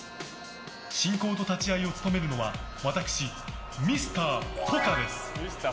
進行と立ち合いを務めるのは私、ミスター・ポカです。